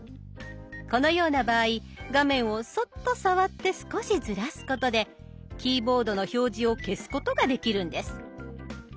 このような場合画面をそっと触って少しずらすことでキーボードの表示を消すことができるんです。